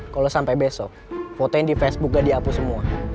kalau sampai besok fotoin di facebook gak dihapus semua